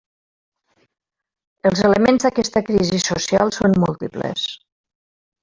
Els elements d'aquesta crisi social són múltiples.